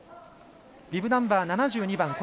ビブナンバー７２番。